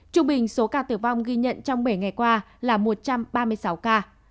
trung bình số ca tử vong ghi nhận trong bảy ngày qua là một trăm ba mươi sáu ca